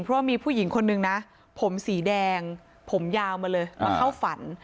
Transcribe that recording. เพราะว่ามีผู้หญิงคนนึงนะผมสีแดงผมยาวมาเลยมาเข้าฝัน